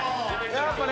やっぱね